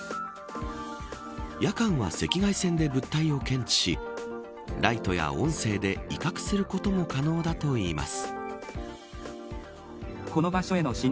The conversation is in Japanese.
夜間は赤外線で物体を検知しライトや音声で威嚇することも可能だといいます。